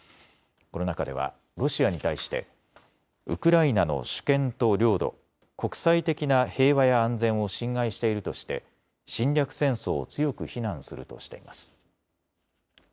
この中ではロシアに対してウクライナの主権と領土、国際的な平和や安全を侵害しているとして侵略戦争を強く非難するとしています。